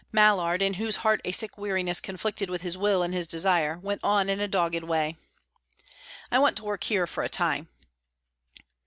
Mallard, in whose heart a sick weariness conflicted with his will and his desire, went on in a dogged way. "I want to work here for a time."